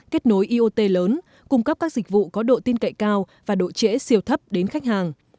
kết nối iot lớn cung cấp các dịch vụ có độ tin cậy cao và độ trễ siêu thấp đến khách hàng